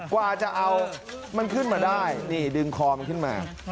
กว่าจะเอามันขึ้นมาได้นี่ดึงคอมันขึ้นมา